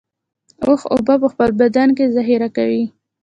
اوښ اوبه په خپل بدن کې ذخیره کوي